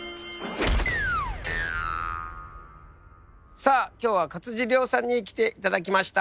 さあ今日は勝地涼さんに来ていただきました。